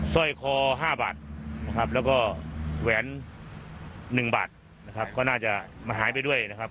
สร้อยคอ๕บาทนะครับแล้วก็แหวน๑บาทนะครับก็น่าจะหายไปด้วยนะครับ